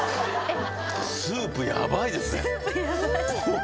・スープヤバいですね。